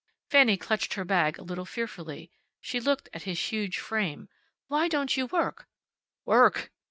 Fanny clutched her bag a little fearfully. She looked at his huge frame. "Why don't you work?" "Work!"